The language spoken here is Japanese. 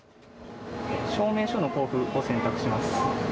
証明書の交付を選択します。